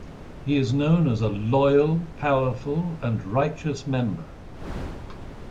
He is known as a Loyal, Powerful and Righteous member.